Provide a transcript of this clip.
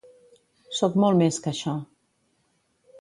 Soc molt més que això.